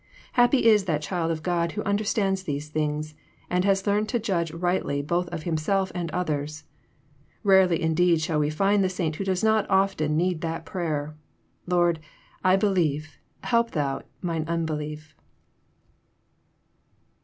Happy is that child of God who understands these things, and has learned to judge riglitly both of hifiiself and others. Rarely indeed shall we find the saint who does not often need that prayer, '^ Lord, I believe : help Thou mine unbelief."